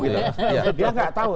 dia tidak tahu